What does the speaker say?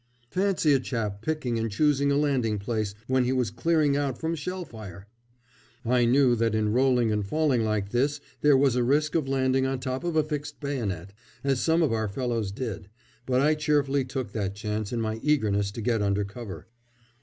Fancy a chap picking and choosing a landing place when he was clearing out from shell fire! I knew that in rolling and falling like this there was a risk of landing on top of a fixed bayonet, as some of our fellows did, but I cheerfully took that chance in my eagerness to get under cover.